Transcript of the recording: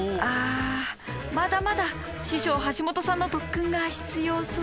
あまだまだ師匠橋本さんの特訓が必要そうですね。